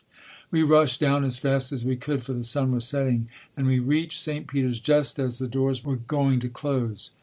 We rushed down as fast as we could for the sun was setting, and we reached St. Peter's just as the doors were going to close.